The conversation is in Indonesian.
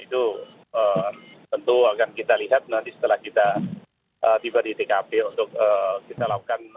itu tentu akan kita lihat nanti setelah kita tiba di tkp untuk kita lakukan